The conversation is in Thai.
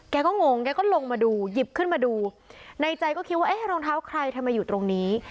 แกก็งงแกก็ลงมาดูหยิบขึ้นมาดูในใจก็คิดว่าเอ๊ะรองเท้าใครทำไมอยู่ตรงนี้